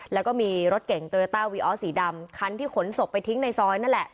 แล้วก็มีรถเก่งสีดำคันที่ขนสกไปทิ้งในซอยนั่นแหละ